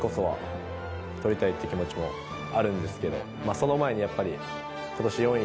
その前にやっぱり今年。